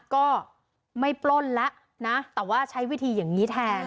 ก็ไม่ปล้นแล้วนะแต่ว่าใช้วิธีอย่างนี้แทน